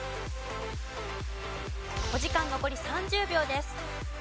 お時間残り３０秒です。